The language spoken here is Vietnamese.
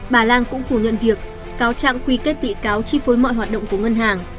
bà lan cũng phủ nhận việc cáo trạng quy kết bị cáo chi phối mọi hoạt động của ngân hàng